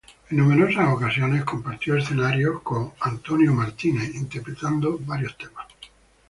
En numerosas ocasiones, compartió escenarios con Johnny Hallyday, interpretando varios temas.